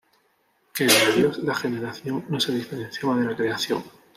Que en Dios la generación no se diferenciaba de la creación.